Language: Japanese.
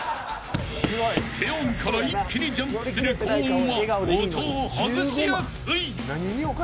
低音から一気にジャンプする高音は外しやすい。